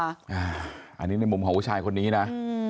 อันนี้ในมุมของผู้ชายคนนี้นะ